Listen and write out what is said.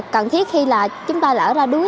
cần thiết khi là chúng ta lỡ ra đuối